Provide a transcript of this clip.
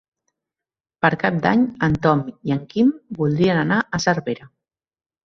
Per Cap d'Any en Tom i en Quim voldrien anar a Cervera.